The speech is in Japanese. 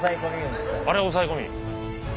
あれ押さえ込み？